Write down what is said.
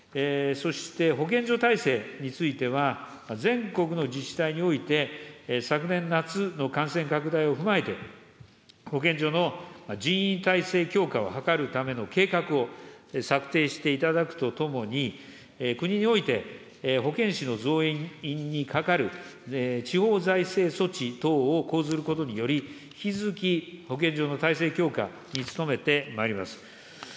そして保健所体制については、全国の自治体において、昨年夏の感染拡大を踏まえて、保健所の人員体制強化を図るための計画を策定していただくとともに、国において、保健師の増員にかかる地方財政措置等を講ずることにより、引き続き、保健所の体制強化に努めてまいります。